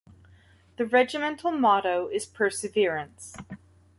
The regimental motto is "Perseverance".